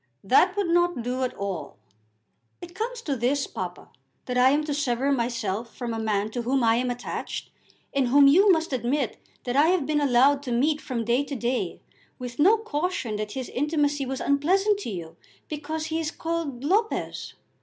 "That would not do at all." "It comes to this, papa, that I am to sever myself from a man to whom I am attached, and whom you must admit that I have been allowed to meet from day to day with no caution that his intimacy was unpleasant to you, because he is called Lopez."